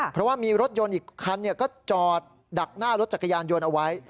เพราะว่ามีรถยนต์อีกคันก็จอดดักหน้ารถจักรยานยนต์เอาไว้